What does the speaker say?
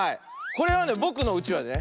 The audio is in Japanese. これはねぼくのうちわでね